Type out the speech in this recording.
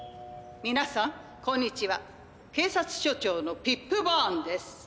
「みなさんこんにちは警察署長のピップバーンです。